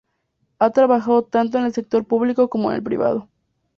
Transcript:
Ha trabajado tanto en el sector público como en el privado.